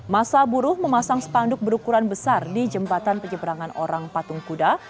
masa buruh memasang spanduk berukuran besar di jembatan penyeberangan orang patung kuda